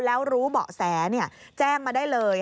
แล้วรู้เบาะแสแจ้งมาได้เลย